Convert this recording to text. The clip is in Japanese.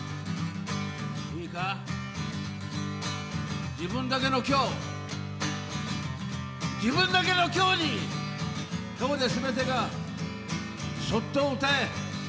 いいか自分だけの今日自分だけの今日に今日ですべてがそっと歌え。